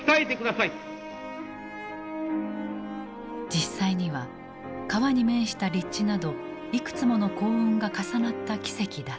実際には川に面した立地などいくつもの幸運が重なった奇跡だった。